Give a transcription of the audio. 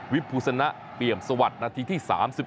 วิภุษณะเปรียมสวัสดิ์นาทีที่๓๑